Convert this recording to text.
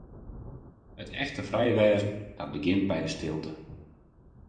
It echte frij wêzen, dat begjint by de stilte.